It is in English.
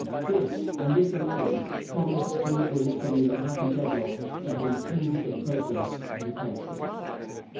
This, and this alone, promised deliverance from the unhappy deadlock that impeded the progress of the country.